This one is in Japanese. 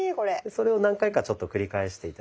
それを何回かちょっと繰り返して頂いて。